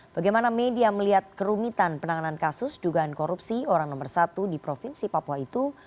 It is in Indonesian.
bagaimana media melihat kerumitan penanganan kasus dugaan korupsi orang nomor satu di provinsi papua itu